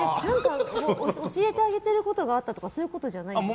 教えてあげてることがあったとかそういうことじゃないんですか？